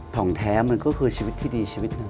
ของแท้มันก็คือชีวิตที่ดีชีวิตหนึ่ง